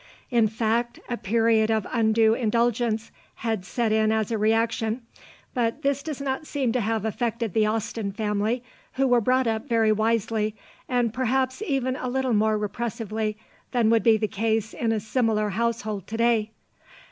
In fact a period of undue indulgence had set in as a reaction, but this does not seem to have affected the Austen family, who were brought up very wisely, and perhaps even a little more repressively than would be the case in a similar household to day.